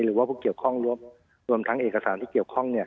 หรือว่าผู้เกี่ยวข้องรวมทั้งเอกสารที่เกี่ยวข้อง